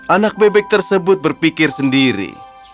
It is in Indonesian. anak bebek tersebut berpikir sendiri